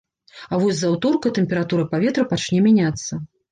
А вось з аўторка тэмпература паветра пачне мяняцца.